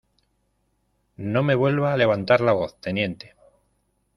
no me vuelva a levantar la voz, teniente.